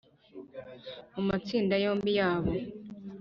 mu matsinda yombi yabo